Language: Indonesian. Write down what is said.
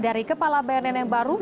dari kepala bnn yang baru